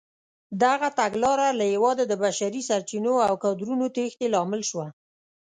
دغه تګلاره له هېواده د بشري سرچینو او کادرونو تېښتې لامل شوه.